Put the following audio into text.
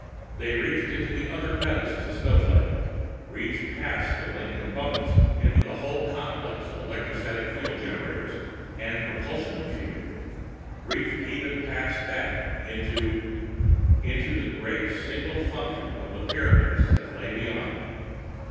They reached into the other petals of the snowflake, reached past the linked Components into the whole complex of electrostatic field generators and propulsion machinery, reached even past that into Into the great single function of the Pyramids that lay beyond.